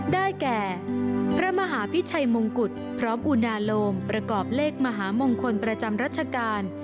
ได้แก่พระมหาพิชัยมงกุฎพร้อมอุณาโลมประกอบเลขมหามงคลประจำรัชกาล